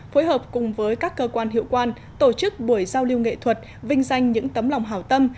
phối hợp cùng với các cơ quan hiệu quan tổ chức buổi giao lưu nghệ thuật vinh danh những tấm lòng hảo tâm